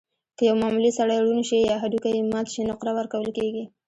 که یو معمولي سړی ړوند شي یا هډوکی یې مات شي، نقره ورکول کېږي.